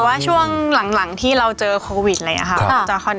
แต่ว่าช่วงหลังที่เราเจอโควิดเลยอะครับ